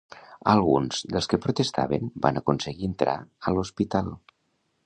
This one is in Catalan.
Alguns dels que protestaven van aconseguir entrar a l'hospital.